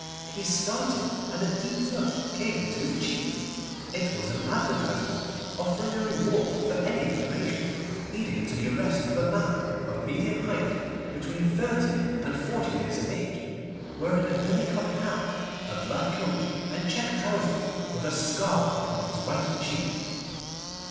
He started, and a deep flush came into his cheek. It was an advertisement offering a reward for any information leading to the arrest of a man of medium height, between thirty and forty years of age, wearing a billy cock hat, a black coat, and check trousers, and with a scar upon his right cheek.